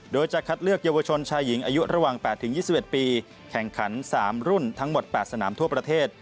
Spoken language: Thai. โดยจะคัดเลือกเยาวชนชายหญิงอายุระหว่าง๘๒๑ปีแข่งขัน๓รุ่นทั้งหมด๘สนามทั่วประเทศ